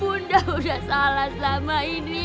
udah udah salah selama ini